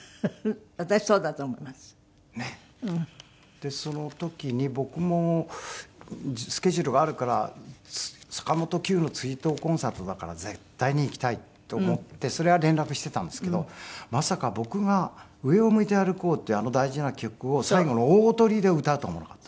でその時に僕もスケジュールがあるから坂本九の追悼コンサートだから絶対に行きたいと思ってそれは連絡していたんですけどまさか僕が『上を向いて歩こう』っていうあの大事な曲を最後の大トリで歌うとは思わなかった。